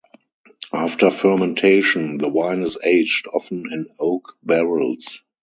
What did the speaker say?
After fermentation, the wine is aged-often in oak barrels.